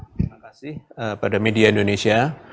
terima kasih pada media indonesia